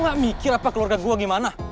gak mikir apa keluarga gue gimana